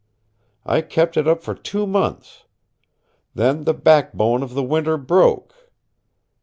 I kept it up for two months. Then the back bone of the winter broke.